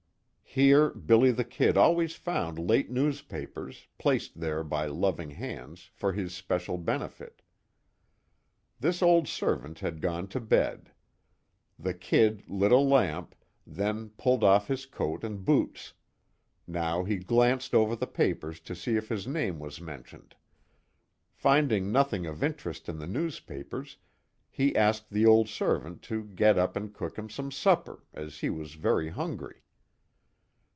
Here "Billy the Kid" always found late newspapers, placed there by loving hands, for his special benefit. This old servant had gone to bed. The "Kid" lit a lamp, then pulled off his coat and boots. Now he glanced over the papers to see if his name was mentioned. Finding nothing of interest in the newspapers, he asked the old servant to get up and cook him some supper, as he was very hungry.